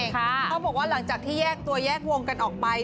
เขาบอกว่าหลังจากที่แยกตัวแยกวงกันออกไป